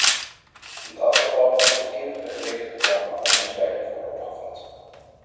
In dat geval moet tot kinderen gerichte reclame als misleidend worden opgevat.